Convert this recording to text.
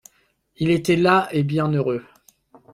Il était las et bienheureux.